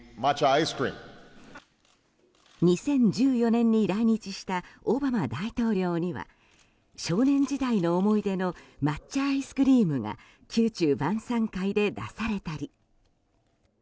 ２０１４年に来日したオバマ大統領には少年時代の思い出の抹茶アイスクリームが宮中晩さん会で出されたり。